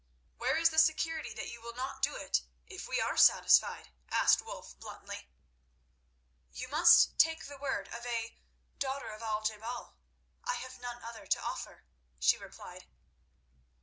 "Where is the security that you will not do it if we are satisfied?" asked Wulf bluntly. "You must take the word of a 'daughter of Al je bal.' I have none other to offer," she replied.